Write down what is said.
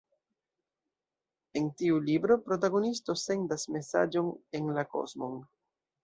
En tiu libro protagonisto sendas mesaĝon en la kosmon.